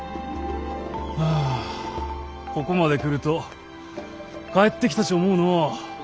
ああここまで来ると帰ってきたち思うのう。